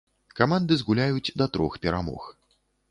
Каманды згуляюць да трох перамог.